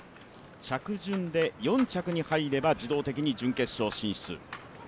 着順で４着に入れば自動的に準決勝進出。